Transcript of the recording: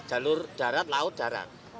jalur darat laut darat